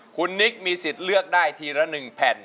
คุณนิกมีสิทธิ์เลือกได้ทีละ๑แผ่น